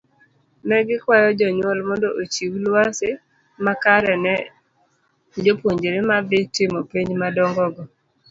Negikwayo jonyuol mondo ochiw lwasi makare ne jo puonjre madhii timo penj madongo go.